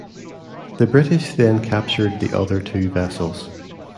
The British then captured the other two vessels.